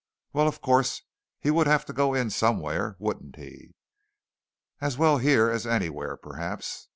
Well, of course, he would have to go in somewhere, wouldn't he? as well here as anywhere, perhaps.